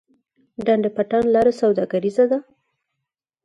ډنډ پټان لاره سوداګریزه ده؟